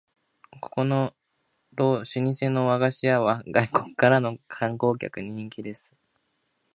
ここの老舗の和菓子屋は外国からの観光客に人気です